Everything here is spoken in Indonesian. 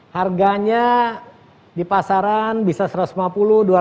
harganya di pasaran bisa rp satu ratus lima puluh dua ratus lima puluh